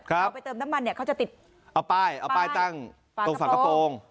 เอาไปเติมน้ำมันเนี่ยเขาจะติดเอาป้ายเอาป้ายตั้งตรงฝากระโปรง